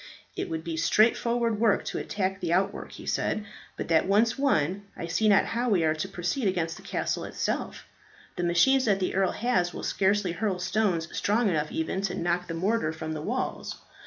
"It will be straightforward work to attack the outwork," he said, "but that once won, I see not how we are to proceed against the castle itself. The machines that the earl has will scarcely hurl stones strong enough even to knock the mortar from the walls.